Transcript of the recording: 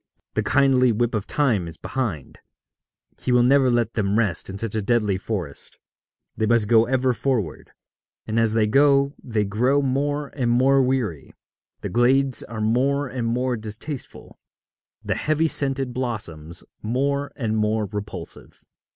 The kindly whip of Time is behind: he will never let them rest in such a deadly forest; they must go ever forward; and as they go they grow more and more weary, the glades are more and more distasteful, the heavy scented blossoms more and more repulsive.